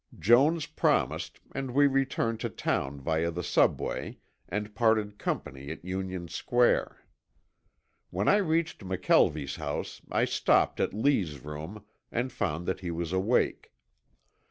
Jones promised and we returned to town via the Subway, and parted company at Union Square. When I reached McKelvie's house I stopped at Lee's room and found that he was awake.